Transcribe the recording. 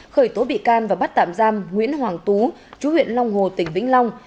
khởi tố bị can và bắt tạm giam nguyễn hoàng tú chú huyện long hồ tỉnh vĩnh long